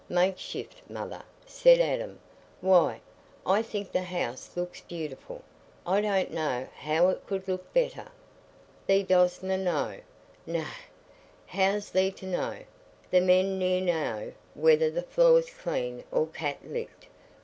"Makeshift, mother?" said Adam. "Why, I think the house looks beautiful. I don't know how it could look better." "Thee dostna know? Nay; how's thee to know? Th' men ne'er know whether the floor's cleaned or cat licked.